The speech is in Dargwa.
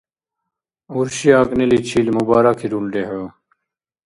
Урши акӀниличил мубаракирулри хӀу!